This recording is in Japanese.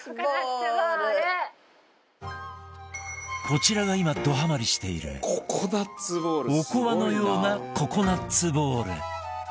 こちらが今どハマりしているおこわのようなココナッツボール